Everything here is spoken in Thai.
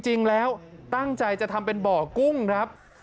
จริงแล้วตั้งใจจะทำเป็นบ่อกุ้งครับ